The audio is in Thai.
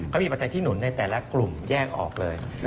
เขามีปัจจัยที่หนุนในแต่ละกลุ่มแยกออกเลย